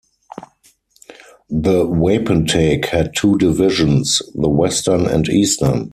The wapentake had two divisions, the western and eastern.